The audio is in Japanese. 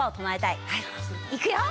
いくよ！